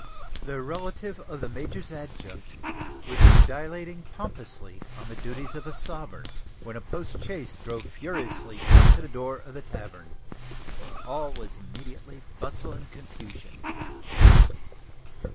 The relative of the mayor's adjunct was dilating pompously on the duties of a sovereign, when a post chaise drove furiously up to the door of the tavern. All was immediately bustle and confusion.